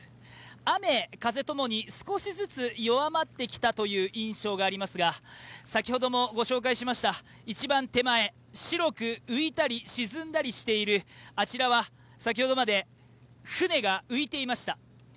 雨・風ともに少しずつ弱まってきたという印象がありますが先ほどもご紹介しました一番手間、白く浮いたり沈んだりしているあちらは先ほどまで船が浮いていました。